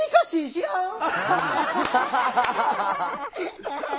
知らんね。